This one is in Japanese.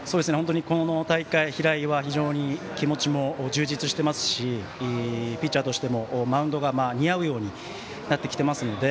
この大会、平井は非常に気持ちも充実してますしピッチャーとしてもマウンドが似合うようになってきてますので。